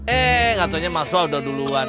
eh enggak taunya malsol udah duluan